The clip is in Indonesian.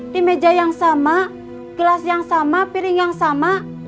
di meja yang sama gelas yang sama piring yang sama